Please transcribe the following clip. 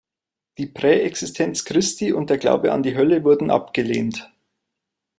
Die Präexistenz Christi und der Glaube an die Hölle wurden abgelehnt.